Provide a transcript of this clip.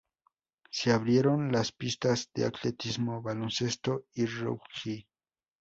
Se abrieron las pistas de atletismo, baloncesto y rugby.